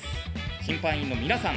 審判員の皆さん